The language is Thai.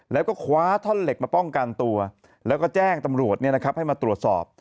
แล้วก็คว้าท่อนเหล็กมาป้องกันตัวแล้วก็แจ้งตำรวจให้มาตรวจสอบ